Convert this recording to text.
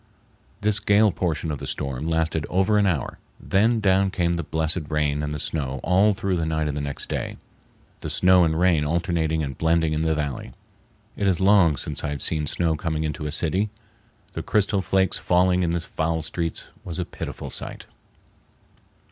This gale portion of the storm lasted over an hour, then down came the blessed rain and the snow all through the night and the next day, the snow and rain alternating and blending in the valley. It is long since I have seen snow coming into a city. The crystal flakes falling in the foul streets was a pitiful sight.